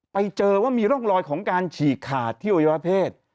ไปเจอว่ามีร่องรอยของการฉีกขาดที่อวัยวะเพศ